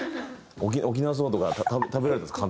沖縄そばとか食べられたんですか？